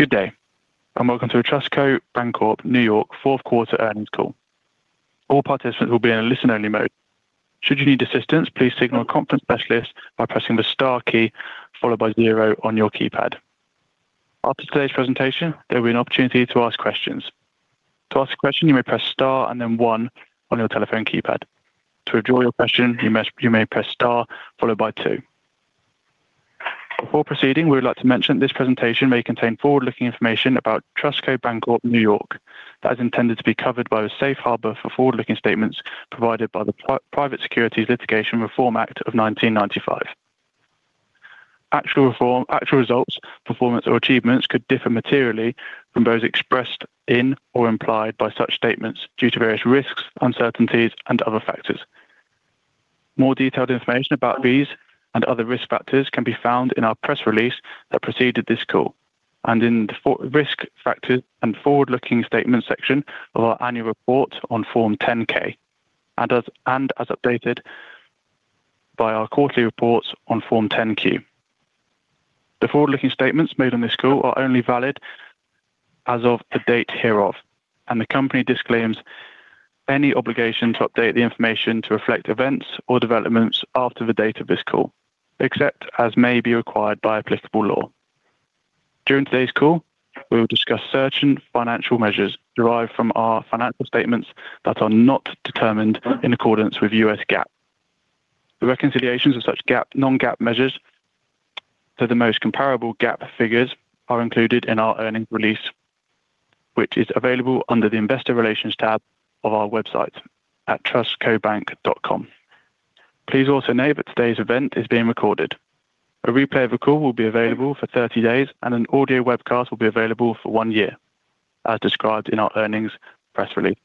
Good day. Welcome to the TrustCo Bank Corp NY fourth quarter earnings call. All participants will be in a listen-only mode. Should you need assistance, please signal a conference specialist by pressing the star key followed by zero on your keypad. After today's presentation, there will be an opportunity to ask questions. To ask a question, you may press star and then one on your telephone keypad. To withdraw your question, you may press star followed by two. Before proceeding, we would like to mention that this presentation may contain forward-looking information about TrustCo Bank Corp NY. That is intended to be covered by the safe harbor for forward-looking statements provided by the Private Securities Litigation Reform Act of 1995. Actual results, performance, or achievements could differ materially from those expressed in or implied by such statements due to various risks, uncertainties, and other factors. More detailed information about these and other risk factors can be found in our press release that preceded this call and in the risk factors and forward-looking statements section of our annual report on Form 10-K and as updated by our quarterly reports on Form 10-Q. The forward-looking statements made on this call are only valid as of the date hereof, and the company disclaims any obligation to update the information to reflect events or developments after the date of this call, except as may be required by applicable law. During today's call, we will discuss certain financial measures derived from our financial statements that are not determined in accordance with US GAAP. The reconciliations of such non-GAAP measures to the most comparable GAAP figures are included in our earnings release, which is available under the Investor Relations tab of our website at trustcobank.com. Please also note that today's event is being recorded. A replay of the call will be available for 30 days, and an audio webcast will be available for one year, as described in our earnings press release.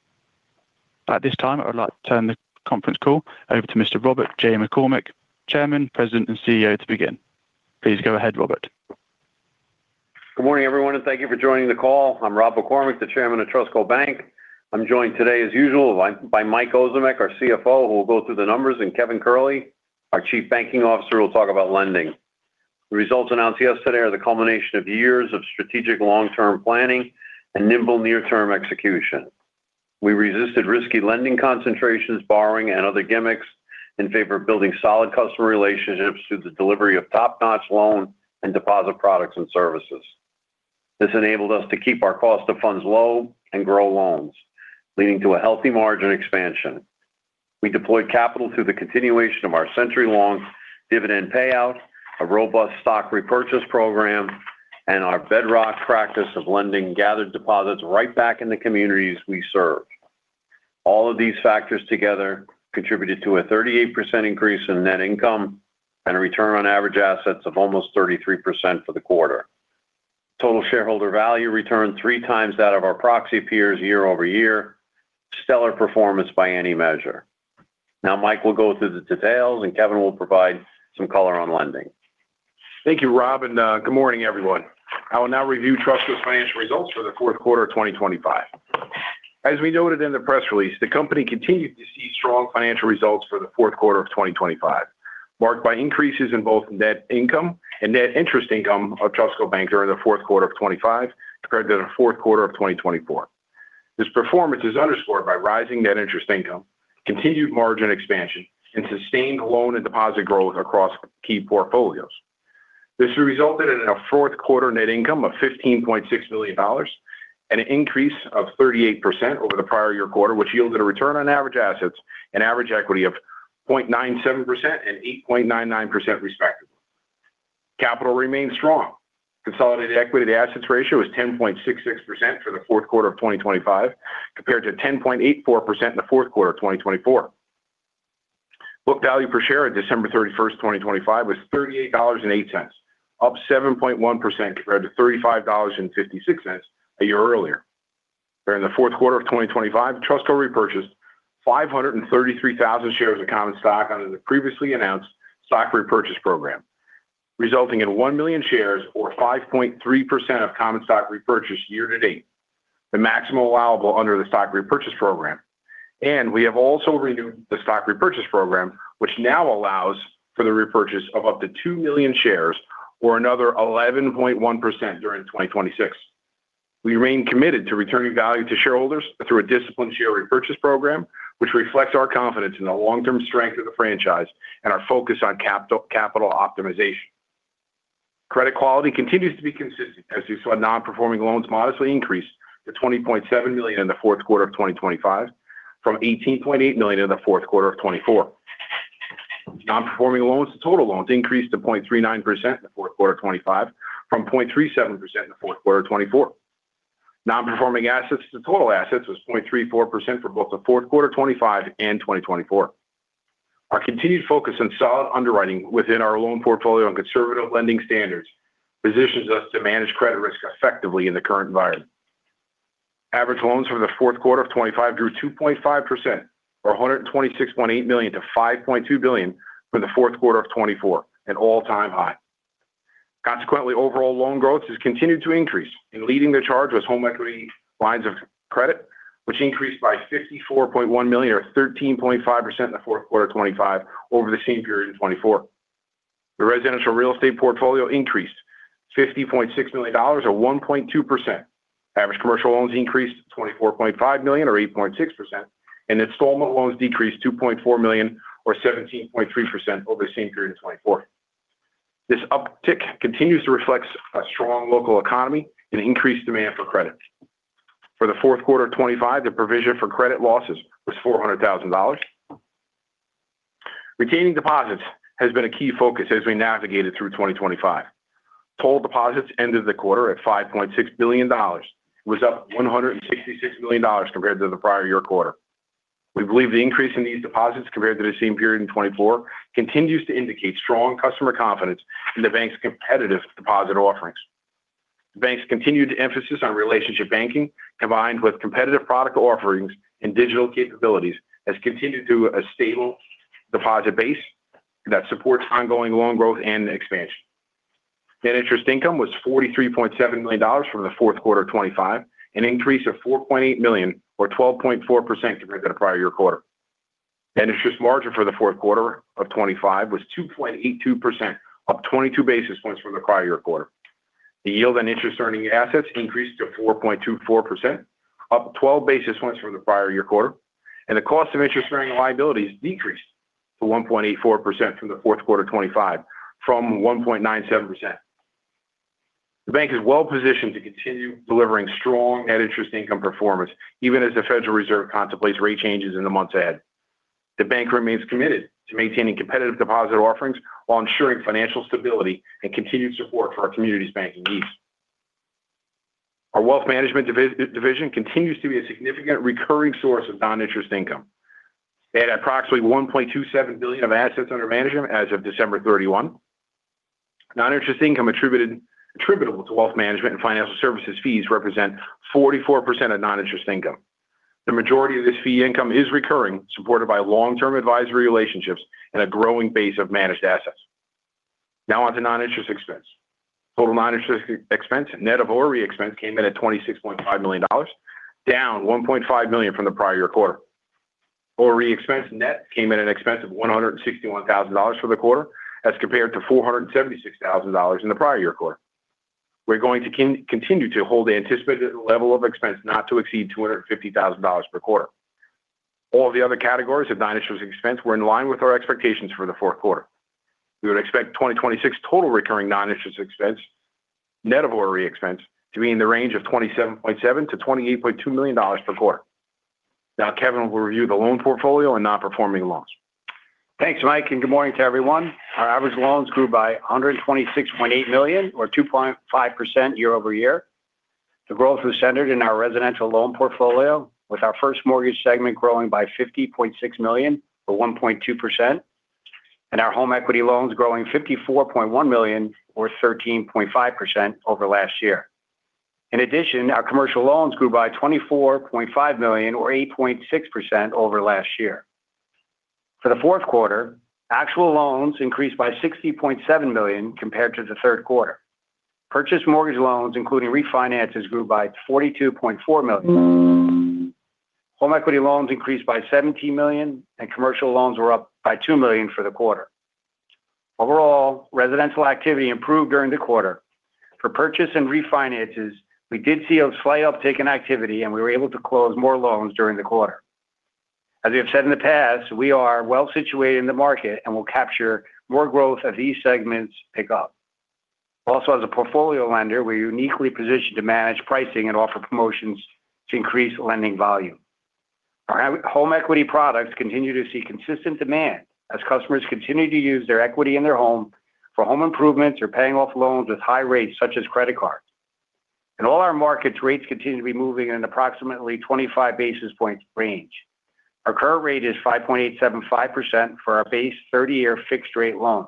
At this time, I would like to turn the conference call over to Mr. Robert J. McCormick, Chairman, President, and CEO, to begin. Please go ahead, Robert. Good morning, everyone, and thank you for joining the call. I'm Rob McCormick, the Chairman of TrustCo Bank. I'm joined today, as usual, by Mike Ozimek, our CFO, who will go through the numbers, and Kevin Curley, our Chief Banking Officer, who will talk about lending. The results announced yesterday are the culmination of years of strategic long-term planning and nimble near-term execution. We resisted risky lending concentrations, borrowing, and other gimmicks in favor of building solid customer relationships through the delivery of top-notch loan and deposit products and services. This enabled us to keep our cost of funds low and grow loans, leading to a healthy margin expansion. We deployed capital through the continuation of our century-long dividend payout, a robust stock repurchase program, and our bedrock practice of lending gathered deposits right back in the communities we serve. All of these factors together contributed to a 38% increase in net income and a return on average assets of almost 33% for the quarter. Total shareholder value returned three times that of our proxy peers year over year. Stellar performance by any measure. Now, Mike will go through the details, and Kevin will provide some color on lending. Thank you, Rob, and good morning, everyone. I will now review TrustCo's financial results for the fourth quarter of 2025. As we noted in the press release, the company continued to see strong financial results for the fourth quarter of 2025, marked by increases in both net income and net interest income of TrustCo Bank during the fourth quarter of 2025 compared to the fourth quarter of 2024. This performance is underscored by rising net interest income, continued margin expansion, and sustained loan and deposit growth across key portfolios. This resulted in a fourth quarter net income of $15.6 million and an increase of 38% over the prior year quarter, which yielded a return on average assets and average equity of 0.97% and 8.99%, respectively. Capital remained strong. Consolidated equity to assets ratio was 10.66% for the fourth quarter of 2025 compared to 10.84% in the fourth quarter of 2024. Book value per share on December 31st, 2025, was $38.08, up 7.1% compared to $35.56 a year earlier. During the fourth quarter of 2025, TrustCo repurchased 533,000 shares of common stock under the previously announced stock repurchase program, resulting in 1 million shares or 5.3% of common stock repurchase year to date, the maximum allowable under the stock repurchase program. And we have also renewed the stock repurchase program, which now allows for the repurchase of up to 2 million shares or another 11.1% during 2026. We remain committed to returning value to shareholders through a disciplined share repurchase program, which reflects our confidence in the long-term strength of the franchise and our focus on capital optimization. Credit quality continues to be consistent as we saw non-performing loans modestly increase to 20.7 million in the fourth quarter of 2025 from 18.8 million in the fourth quarter of 2024. Non-performing loans to total loans increased to 0.39% in the fourth quarter of 2025 from 0.37% in the fourth quarter of 2024. Non-performing assets to total assets was 0.34% for both the fourth quarter of 2025 and 2024. Our continued focus on solid underwriting within our loan portfolio and conservative lending standards positions us to manage credit risk effectively in the current environment. Average loans for the fourth quarter of 2025 grew 2.5%, or $126.8 million to $5.2 billion for the fourth quarter of 2024, an all-time high. Consequently, overall loan growth has continued to increase, and leading the charge was home equity lines of credit, which increased by $54.1 million, or 13.5% in the fourth quarter of 2025 over the same period in 2024. The residential real estate portfolio increased $50.6 million, or 1.2%. Average commercial loans increased $24.5 million, or 8.6%, and installment loans decreased $2.4 million, or 17.3% over the same period in 2024. This uptick continues to reflect a strong local economy and increased demand for credit. For the fourth quarter of 2025, the provision for credit losses was $400,000. Retaining deposits has been a key focus as we navigated through 2025. Total deposits ended the quarter at $5.6 billion, was up $166 million compared to the prior year quarter. We believe the increase in these deposits compared to the same period in 2024 continues to indicate strong customer confidence in the bank's competitive deposit offerings. The bank's continued emphasis on relationship banking, combined with competitive product offerings and digital capabilities, has continued to a stable deposit base that supports ongoing loan growth and expansion. Net interest income was $43.7 million for the fourth quarter of 2025, an increase of $4.8 million, or 12.4%, compared to the prior year quarter. Net interest margin for the fourth quarter of 2025 was 2.82%, up 22 basis points from the prior year quarter. The yield on interest-earning assets increased to 4.24%, up 12 basis points from the prior year quarter, and the cost of interest-earning liabilities decreased to 1.84% from the fourth quarter of 2025, from 1.97%. The bank is well-positioned to continue delivering strong net interest income performance even as the Federal Reserve contemplates rate changes in the months ahead. The bank remains committed to maintaining competitive deposit offerings while ensuring financial stability and continued support for our community's banking needs. Our wealth management division continues to be a significant recurring source of non-interest income. They had approximately $1.27 billion of assets under management as of December 31. Non-interest income attributable to wealth management and financial services fees represents 44% of non-interest income. The majority of this fee income is recurring, supported by long-term advisory relationships and a growing base of managed assets. Now on to non-interest expense. Total non-interest expense, net of ORE expense, came in at $26.5 million, down $1.5 million from the prior year quarter. ORE expense net came in at an expense of $161,000 for the quarter as compared to $476,000 in the prior year quarter. We're going to continue to hold the anticipated level of expense not to exceed $250,000 per quarter. All of the other categories of non-interest expense were in line with our expectations for the fourth quarter. We would expect 2026 total recurring non-interest expense, net of ORE expense, to be in the range of $27.7-$28.2 million per quarter. Now, Kevin will review the loan portfolio and non-performing loans. Thanks, Mike, and good morning to everyone. Our average loans grew by $126.8 million, or 2.5% year over year. The growth was centered in our residential loan portfolio, with our first mortgage segment growing by $50.6 million, or 1.2%, and our home equity loans growing $54.1 million, or 13.5%, over last year. In addition, our commercial loans grew by $24.5 million, or 8.6%, over last year. For the fourth quarter, actual loans increased by $60.7 million compared to the third quarter. Purchase mortgage loans, including refinances, grew by $42.4 million. Home equity loans increased by $17 million, and commercial loans were up by $two million for the quarter. Overall, residential activity improved during the quarter. For purchase and refinances, we did see a slight uptick in activity, and we were able to close more loans during the quarter. As we have said in the past, we are well-situated in the market and will capture more growth as these segments pick up. Also, as a portfolio lender, we're uniquely positioned to manage pricing and offer promotions to increase lending value. Our home equity products continue to see consistent demand as customers continue to use their equity in their home for home improvements or paying off loans with high rates, such as credit cards. In all our markets, rates continue to be moving in an approximately 25 basis point range. Our current rate is 5.875% for our base 30-year fixed-rate loan.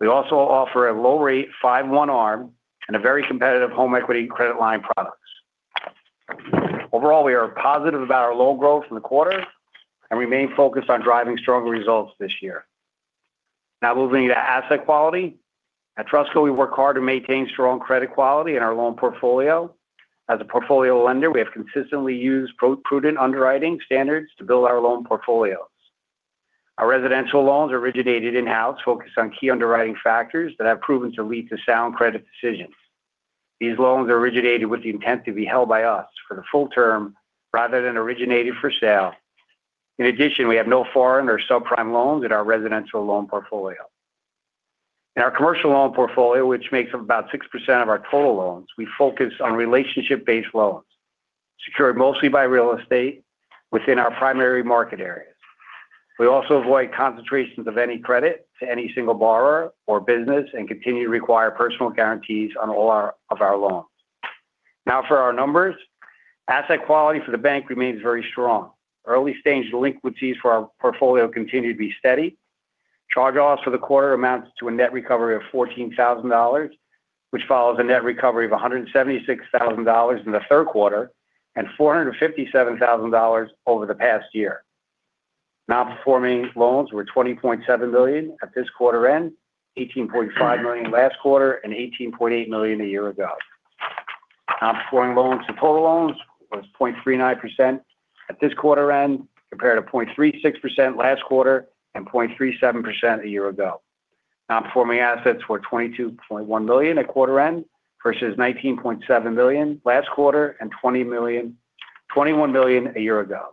We also offer a low-rate, 5/1 ARM, and a very competitive home equity credit line products. Overall, we are positive about our low growth in the quarter and remain focused on driving stronger results this year. Now, moving to asset quality. At TrustCo, we work hard to maintain strong credit quality in our loan portfolio. As a portfolio lender, we have consistently used prudent underwriting standards to build our loan portfolios. Our residential loans are originated in-house, focused on key underwriting factors that have proven to lead to sound credit decisions. These loans are originated with the intent to be held by us for the full term rather than originated for sale. In addition, we have no foreign or subprime loans in our residential loan portfolio. In our commercial loan portfolio, which makes up about 6% of our total loans, we focus on relationship-based loans secured mostly by real estate within our primary market areas. We also avoid concentrations of any credit to any single borrower or business and continue to require personal guarantees on all of our loans. Now, for our numbers, asset quality for the bank remains very strong. Early-stage delinquencies for our portfolio continue to be steady. Charge-offs for the quarter amount to a net recovery of $14,000, which follows a net recovery of $176,000 in the third quarter and $457,000 over the past year. Non-performing loans were $20.7 million at this quarter end, $18.5 million last quarter, and $18.8 million a year ago. Non-performing loans to total loans was 0.39% at this quarter end compared to 0.36% last quarter and 0.37% a year ago. Non-performing assets were $22.1 million at quarter end versus $19.7 million last quarter and $21 million a year ago.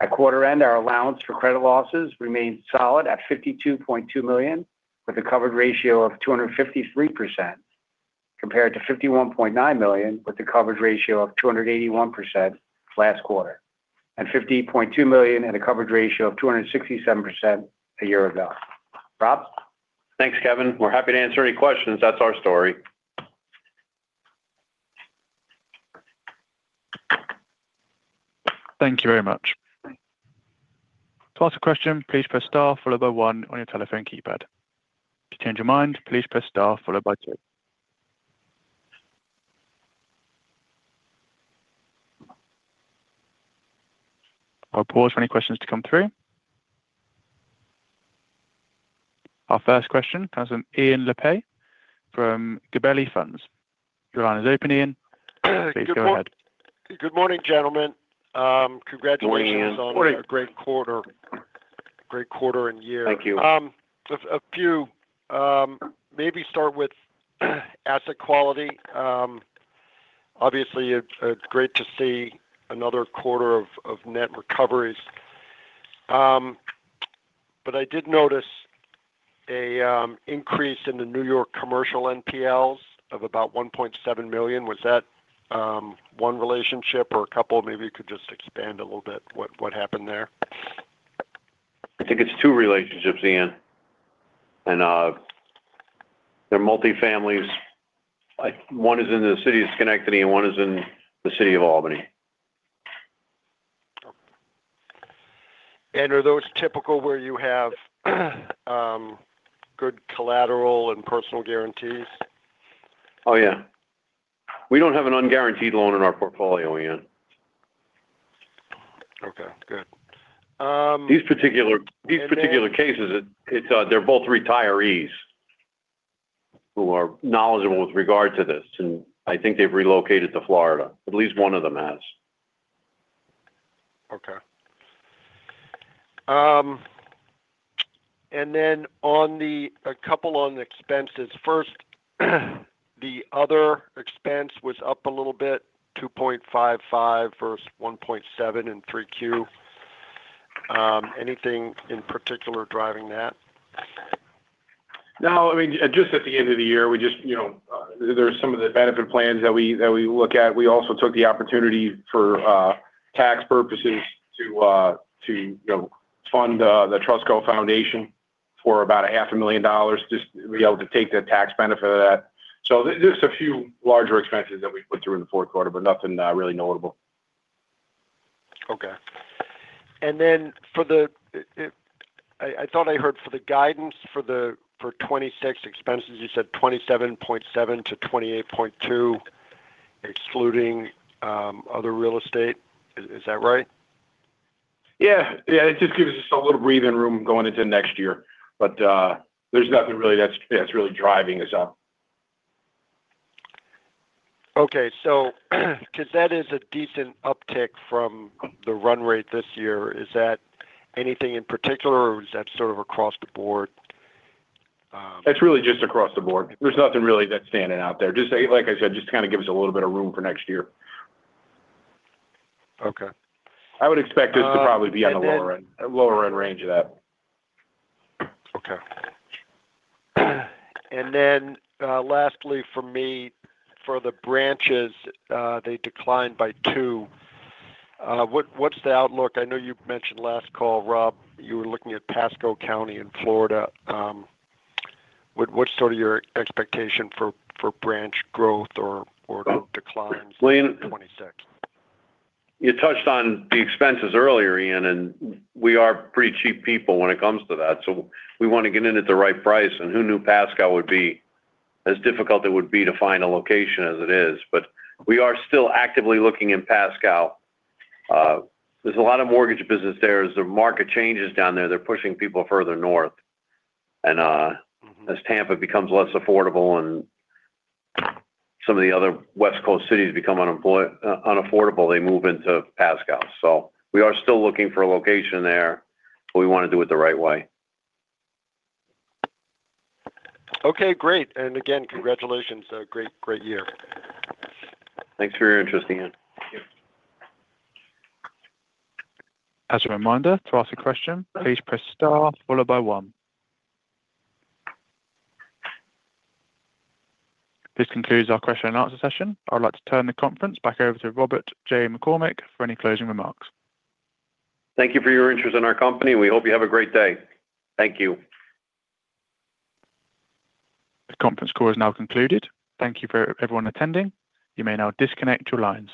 At quarter end, our allowance for credit losses remained solid at $52.2 million with a coverage ratio of 253% compared to $51.9 million with a coverage ratio of 281% last quarter and $50.2 million at a coverage ratio of 267% a year ago. Rob? Thanks, Kevin. We're happy to answer any questions. That's our story. Thank you very much. To ask a question, please press Star followed by 1 on your telephone keypad. To change your mind, please press Star followed by 2. I'll pause for any questions to come through. Our first question comes from Ian Lapey from Gabelli Funds. Your line is open, Ian. Please go ahead. Good morning, gentlemen. Congratulations on a great quarter, great quarter and year. Thank you. Maybe start with asset quality. Obviously, it's great to see another quarter of net recoveries. But I did notice an increase in the New York commercial NPLs of about $1.7 million. Was that one relationship or a couple? Maybe you could just expand a little bit what happened there. I think it's two relationships, Ian. And they're multi-families. One is in the City of Schenectady and one is in the City of Albany. Are those typical where you have good collateral and personal guarantees? Oh, yeah. We don't have an unguaranteed loan in our portfolio, Ian. Okay. Good. These particular cases, they're both retirees who are knowledgeable with regard to this, and I think they've relocated to Florida. At least one of them has. Okay. And then a couple on expenses. First, the other expense was up a little bit, 2.55 versus 1.7 in 3Q. Anything in particular driving that? No. I mean, just at the end of the year, there's some of the benefit plans that we look at. We also took the opportunity for tax purposes to fund the TrustCo Foundation for about $500,000 just to be able to take that tax benefit of that. So just a few larger expenses that we put through in the fourth quarter, but nothing really notable. Okay. And then I thought I heard for the guidance for 2026 expenses, you said 27.7-28.2 excluding other real estate. Is that right? Yeah. Yeah. It just gives us a little breathing room going into next year, but there's nothing really that's driving us up. Okay. So because that is a decent uptick from the run rate this year, is that anything in particular, or is that sort of across the board? That's really just across the board. There's nothing really that's standing out there. Like I said, just to kind of give us a little bit of room for next year. Okay. I would expect this to probably be on the lower end range of that. Okay, and then lastly, for me, for the branches, they declined by two. What's the outlook? I know you mentioned last call, Rob, you were looking at Pasco County in Florida. What's sort of your expectation for branch growth or declines for 2026? You touched on the expenses earlier, Ian, and we are pretty cheap people when it comes to that, so we want to get in at the right price, and who knew Pasco would be as difficult as it would be to find a location as it is, but we are still actively looking in Pasco. There's a lot of mortgage business there. As the market changes down there, they're pushing people further north, and as Tampa becomes less affordable and some of the other West Coast cities become unaffordable, they move into Pasco, so we are still looking for a location there, but we want to do it the right way. Okay. Great. And again, congratulations. Great, great year. Thanks for your interest, Ian. Thank you. As a reminder, to ask a question, please press Star followed by 1. This concludes our question and answer session. I'd like to turn the conference back over to Robert J. McCormick for any closing remarks. Thank you for your interest in our company, and we hope you have a great day. Thank you. The conference call is now concluded. Thank you for everyone attending. You may now disconnect your lines.